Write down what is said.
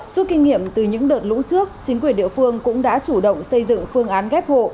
suốt kinh nghiệm từ những đợt lũ trước chính quyền địa phương cũng đã chủ động xây dựng phương án ghép hộ